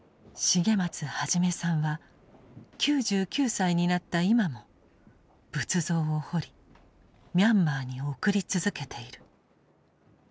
重松一さんは９９歳になった今も仏像を彫りミャンマーに送り続けている。